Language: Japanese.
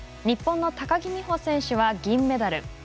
日本の高木美帆選手は銀メダル。